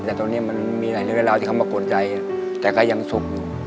แต่ตอนนี้มันมีหลายเรื่องราวที่เขามากดใจแต่ก็ยังสุขอยู่